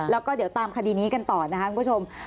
แล้วก็เดี๋ยวตามคดีนี้กันต่อนะครับคุณผู้ชม